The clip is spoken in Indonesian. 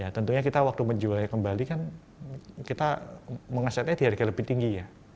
tentunya kita waktu menjualnya kembali kan kita mengesetnya di harga lebih tinggi ya